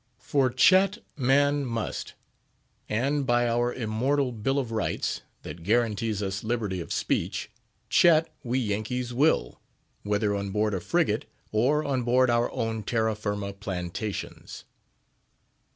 For chat man must; and by our immortal Bill of Rights, that guarantees to us liberty of speech, chat we Yankees will, whether on board a frigate, or on board our own terra firma plantations.